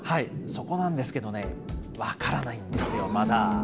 そこなんですけどね、分からないんですよ、まだ。